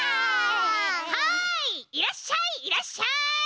はいいらっしゃいいらっしゃい！